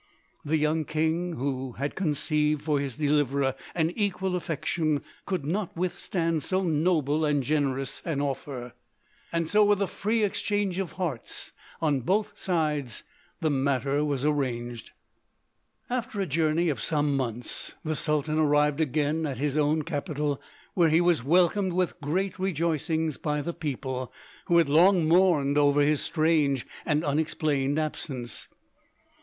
The young king, who had conceived for his deliverer an equal affection, could not withstand so noble and generous an offer: and so with a free exchange of hearts on both sides the matter was arranged. After a journey of some months the Sultan arrived again at his own capital, where he was welcomed with great rejoicings by the people, who had long mourned over his strange and unexplained absence.